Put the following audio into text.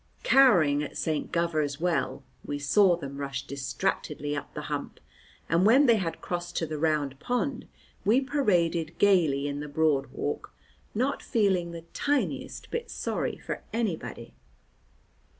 Cowering at St. Govor's Well, we saw them rush distractedly up the Hump, and when they had crossed to the Round Pond we paraded gaily in the Broad Walk, not feeling the tiniest bit sorry for anybody.